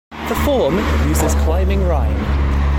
The form uses climbing rhyme.